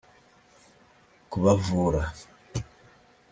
kubavura